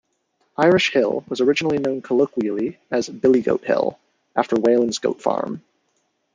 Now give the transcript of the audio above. Irish Hill was originally known colloquially as "Billy Goat Hill" after Whalen's goat farm.